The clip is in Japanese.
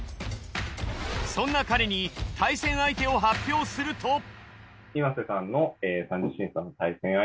そんな彼に対戦相手を発表すると。